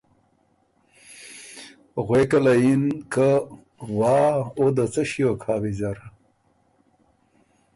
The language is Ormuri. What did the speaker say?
غوېکه له یِن که ” وا او ده څۀ ݭیوک هۀ ویزر“